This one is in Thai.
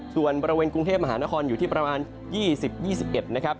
ส่วนบริเวณกรุงเทพมหานครอยู่ที่ประมาณ๒๐๒๑นะครับ